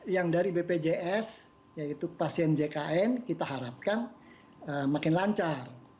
yang dari bpjs yaitu pasien jkn kita harapkan makin lancar